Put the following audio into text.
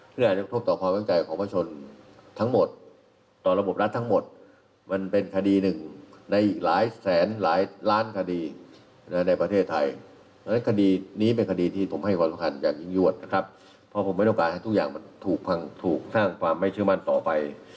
ทุกอย่างมันถูกท่างความไม่เชื่อมั่นต่อไป